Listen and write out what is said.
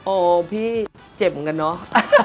โอ้พี่เจ็บเหมือนกันเนอะ